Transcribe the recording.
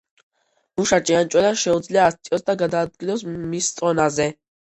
მუშა ჭიანჭველას შეუძლია ასწიოს და გადააადგილოს მის წონაზე